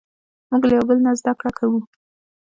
موږ له یو بل نه زدهکړه کوو.